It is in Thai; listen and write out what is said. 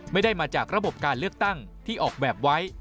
ไม่ได้มาจากระบบการเลือกตั้งที่ออกแบบไว้